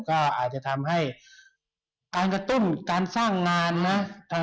ก็อาจจะทำให้การกระตุ้นการสร้างงานนะ